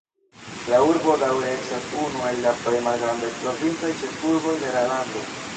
La urbo daŭre estas unu el la plej malgrandaj provincaj ĉefurboj de la lando.